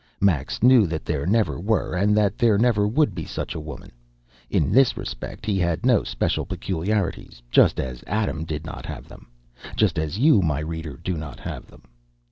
Max knew that there never were, and that there never would be such women. In this respect, he had no special peculiarities, just as Adam did not have them, just as you, my reader, do not have them.